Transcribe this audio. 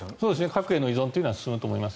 核への依存というのは進むと思います。